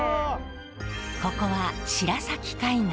ここは白崎海岸。